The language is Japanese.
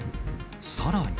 さらに。